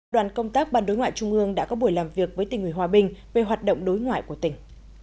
đoàn công tác ban đối ngoại trung ương đã có buổi làm việc với tỉnh ủy hòa bình về hoạt động đối ngoại của tỉnh